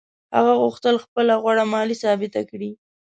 هغه غوښتل خپله غوړه مالي ثابته کړي.